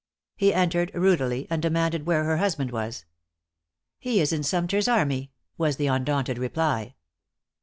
He entered rudely, and demanded where her husband was. "He is in Sumter's army," was the undaunted reply.